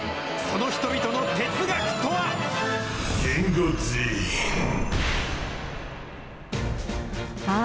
その人々の哲学とは。